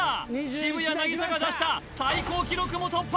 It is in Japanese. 渋谷凪咲が出した最高記録も突破！